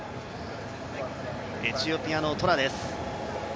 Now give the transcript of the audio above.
エチオピアのトラです。